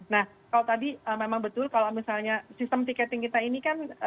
nah kalau tadi memang betul kalau misalnya sistem tiketing kita ini kan